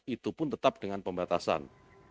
itu pun tetap dengan pembatasan